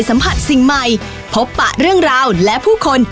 สวัสดีครับ